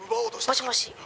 「もしもし」